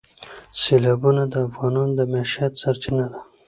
سیلابونه د افغانانو د معیشت سرچینه ده.